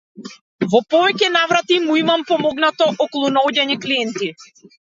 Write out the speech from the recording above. Во повеќе наврати му имам помогнато околу наоѓање клиенти.